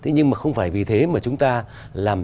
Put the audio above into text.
thế nhưng mà không phải vì thế mà chúng ta làm